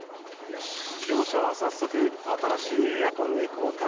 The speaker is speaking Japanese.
業者は早速新しいエアコンに交換。